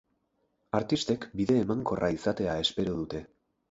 Artistek bide emankorra izatea espero dute.